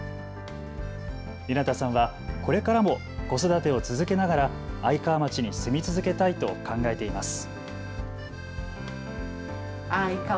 レナタさんはこれからも子育てを続けながら愛川町に住み続けたいと考えています。